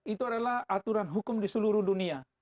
itu adalah aturan hukum di seluruh dunia